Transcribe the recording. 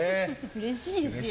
うれしいですよ。